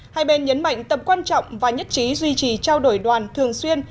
hai bên nhấn mạnh tầm quan trọng và nhất trí duy trì trao đổi đoàn thường xuyên